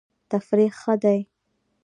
تفریح ښه دی.